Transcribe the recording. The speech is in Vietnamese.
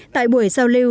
tại buổi giao lưu